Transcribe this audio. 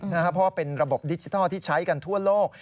เพราะว่าเป็นระบบดิจิทัลที่ใช้กันทั่วโลก